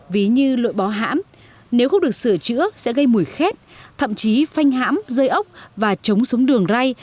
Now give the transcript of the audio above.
ví như lội bó hãm nếu không được sửa chữa sẽ gây mùi khét thậm chí phanh hãm rơi ốc và trống xuống đường ray